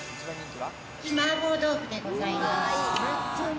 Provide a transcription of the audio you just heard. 麻婆豆腐でございます。